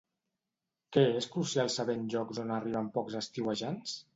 Què és crucial saber en llocs on arriben pocs estiuejants?